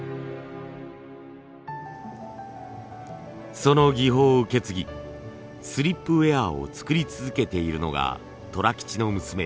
その技法を受け継ぎスリップウェアを作り続けているのが虎吉の娘